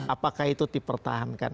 apakah itu dipertahankan